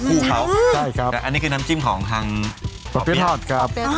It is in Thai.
คู่เขาใช่ครับแล้วอันนี้คือน้ำจิ้มของทางปะเบี้ยทสดครับอ๋อ